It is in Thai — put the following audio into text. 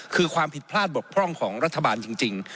คือความผิดพลาดบกพร่องของรัฐบาลจริง